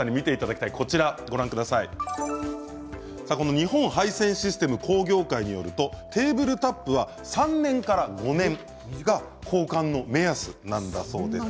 日本配線システム工業会によるとテーブルタップは３年から５年交換の目安なんだそうです。